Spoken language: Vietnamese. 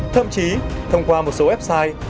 thậm chí thông qua một số website